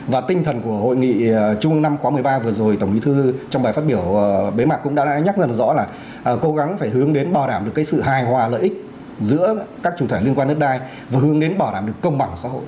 và tinh thần của hội nghị trung ương năm khóa một mươi ba vừa rồi tổng bí thư trong bài phát biểu bế mạc cũng đã nhắc dần rõ là cố gắng phải hướng đến bảo đảm được sự hài hòa lợi ích giữa các chủ thể liên quan đất đai và hướng đến bảo đảm được công bằng xã hội